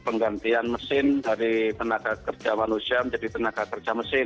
penggantian mesin dari tenaga kerja manusia menjadi tenaga kerja mesin